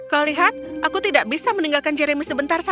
kau lihat aku tidak bisa meninggalkan jeremy sebentar saja